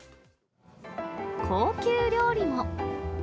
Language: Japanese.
高級料理も。